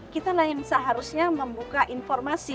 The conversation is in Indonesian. kita seharusnya membuka informasi